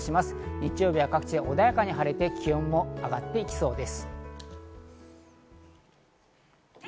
日曜日は各地で穏やかに晴れて気温も上がってきそうです。